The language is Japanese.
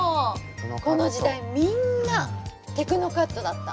この時代みんなテクノカットだった。